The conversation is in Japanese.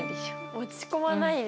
落ち込まないで。